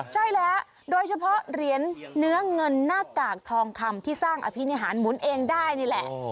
ใช่แล้วโดยเฉพาะเหรียญเนื้อเงินหน้ากากทองคำที่สร้างอภินิหารหมุนเองได้นี่แหละ